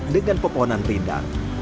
dengan peponan rindar